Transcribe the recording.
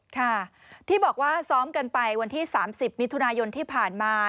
ค่ะที่บอกว่าซ้อมกันไปวันที่๓๐มิถุนายนที่ผ่านมา